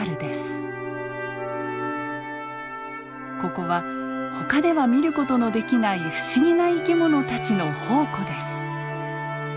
ここはほかでは見る事のできない不思議な生き物たちの宝庫です。